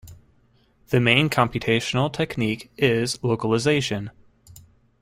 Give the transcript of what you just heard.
The main computational technique is localization.